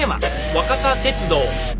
「若桜鉄道」。